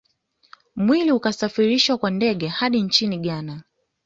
Mwili ukasafirishwa kwa ndege hadi nchini Ghana